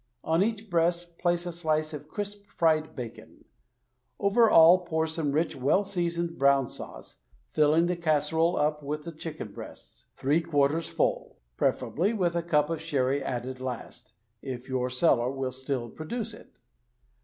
On each breast place a slice of crisp fried bacon. Over all pour some rich well seasoned brown sauce, filling the casserole up with the chicken breasts — three quarters full — preferably with a cup of sherry added last, if your cellar will still produce it